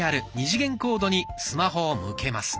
２次元コードにスマホを向けます。